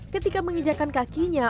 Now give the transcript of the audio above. ketika menginjakan kakinya